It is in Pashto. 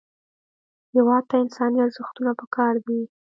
هېواد ته انساني ارزښتونه پکار دي